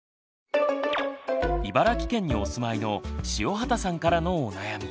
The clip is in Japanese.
茨城県にお住まいの塩畑さんからのお悩み。